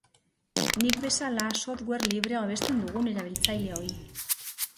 Nik bezala software librea hobesten dugun erabiltzaileoi.